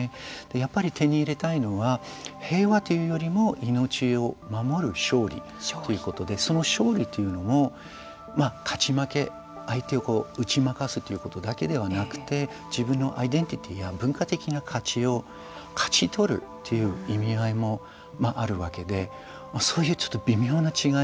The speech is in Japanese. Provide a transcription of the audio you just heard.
やっぱり手に入れたいのは平和というよりも命を守る勝利ということでその勝利というのも勝ち負け相手を打ち負かすということだけではなくて自分のアイデンティティーや文化的な価値を勝ち取るという意味合いもあるわけでそういう微妙な違い